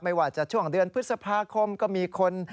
ไม่ว่าจะช่วงเดือนพฤษภาคมก็มีคน